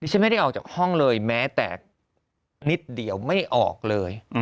ฉันไม่ได้ออกจากห้องเลยแม้แต่นิดเดียวไม่ออกเลย